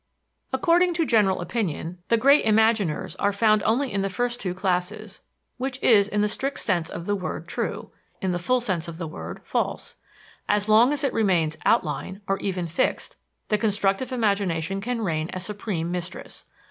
According to general opinion the great imaginers are found only in the first two classes, which is, in the strict sense of the word, true; in the full sense of the word false. As long as it remains "outline," or even "fixed," the constructive imagination can reign as supreme mistress.